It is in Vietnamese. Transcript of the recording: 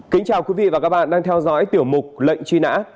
kính chào quý vị và các bạn đang theo dõi tiểu mục lệnh truy nã